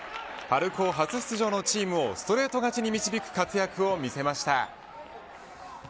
春高初出場のチームをストレート勝ちに導く活躍を見せました。